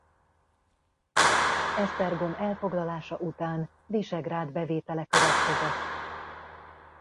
Esztergom elfoglalása után Visegrád bevétele következett.